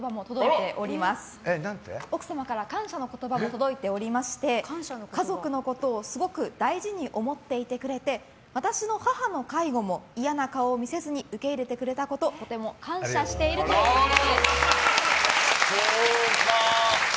奥様から感謝の言葉も届いておりまして家族のことをすごく大事に思っていてくれて私の母の介護も、嫌な顔見せずに受け入れてくれたこととても感謝しているそうです。